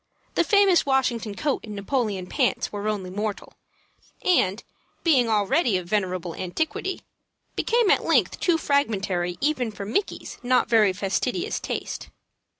The famous Washington coat and Napoleon pants were only mortal, and, being already of venerable antiquity, became at length too fragmentary even for Micky's not very fastidious taste.